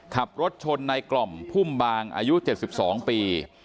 ขับรถชนในกล่อมพุ่มบางอายุ๗๒ปี